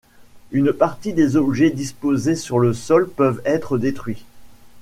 Une partie des objets disposés sur le sol peuvent être détruits.